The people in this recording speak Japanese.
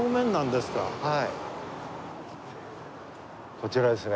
こちらですね。